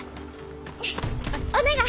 お願い。